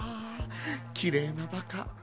きれいなバカ。